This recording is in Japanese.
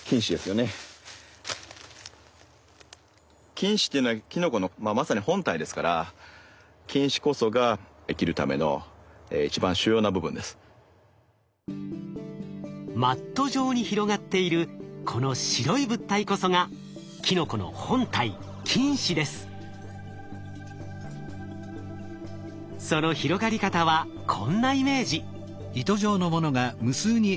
菌糸っていうのはキノコのまさに本体ですから菌糸こそがマット状に広がっているこの白い物体こそがキノコの本体その広がり方はこんなイメージ。